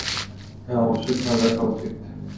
হ্যাঁঁ, অবশ্যই খেয়াল রাখা উচিত।